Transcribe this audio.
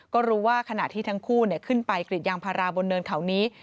ก็รู้ว่าขณะที่ทั้งคู่ขึ้นไปกรีดยางพาราบนเนินเขานี้